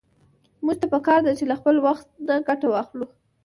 موږ ته په کار ده چې له خپل وخت نه ګټه واخلو.